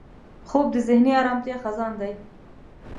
خوب د ذهني ارامتیا خزان دی